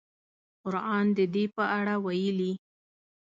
قران د دې په اړه ویلي.